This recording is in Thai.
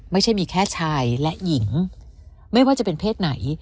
ไม่ใช่มีแค่ชายและหญิงไม่ว่าจะเป็นเพศไหน